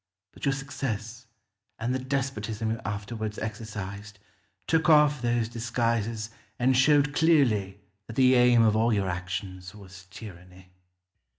But your success, and the despotism you afterwards exorcised, took off those disguises and showed clearly that the aim of all your actions was tyranny.